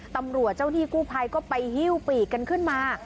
ตำรวจเจ้าที่กู้ภัยก็ไปฮิ้วปีกกันขึ้นมา